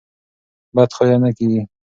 بد خویه نه کېږي.